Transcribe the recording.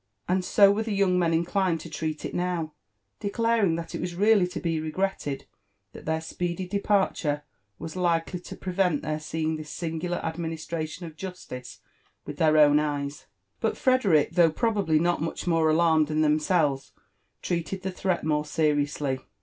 And so were the young men inclined to treat it now, declaring that it was really to be regretted that their speedy departure was likely to prevent their seeing this singular administration JONATHAN JBFFERSON WfllTLAW. . 101 of justice with their own eyes. But Frederick, though probably not much more alarmed than themselves, treated the threat more seriously.